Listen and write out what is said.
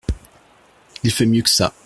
Il fait mieux que ça.